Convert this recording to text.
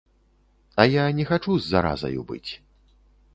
А я не хачу з заразаю быць.